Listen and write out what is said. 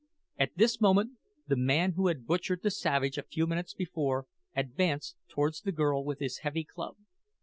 At this moment the man who had butchered the savage a few minutes before advanced towards the girl with his heavy club.